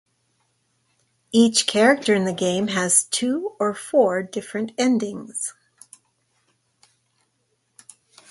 Each character in the game has two or four different endings.